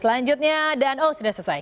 selanjutnya dan oh sudah selesai